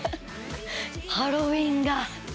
ハロウィーンが！